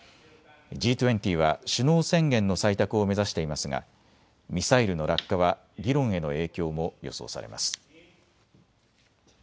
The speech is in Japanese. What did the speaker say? Ｇ２０は首脳宣言の採択を目指していますがミサイルの落下は議論への影響も予想されます。